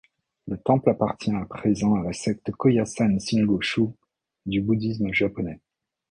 Le temple appartient à présent à la secte Kōyasan Shingon-shū du Bouddhisme japonais.